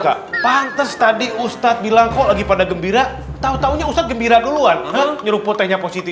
ke pantes tadi ustadz bilang kok lagi pada gembira tau taunya ustadz gembira duluan nyerutanya posisi